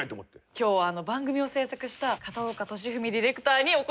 今日はあの番組を制作した片岡利文ディレクターにお越し頂いています。